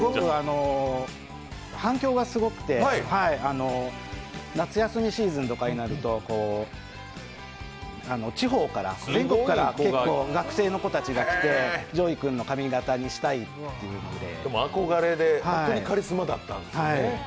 反響がすごくて夏休みシーズンとかになると地方から全国から結構、学生の子たちが来てＪＯＹ君の髪形にしたいっていうんで憧れで、本当にカリスマだったんですね。